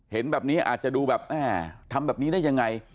เห็นแบบนี้อาจจะดูแบบแม่ทำแบบนี้ได้ยังไง